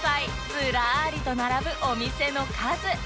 ずらりと並ぶお店の数